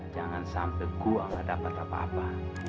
jangan sampai gua gak dapat apa apa